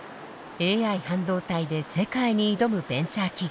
ＡＩ半導体で世界に挑むベンチャー企業。